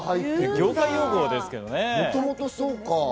業界用語ですけどね。